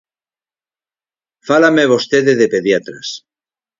Fálame vostede de pediatras.